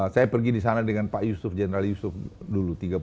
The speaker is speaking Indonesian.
saya pergi di sana dengan pak yusuf jenderal yusuf dulu